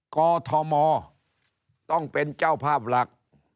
กอทมต้องเป็นเจ้าภาพหลัก